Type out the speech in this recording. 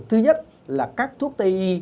thứ nhất là các thuốc tây y